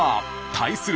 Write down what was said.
対する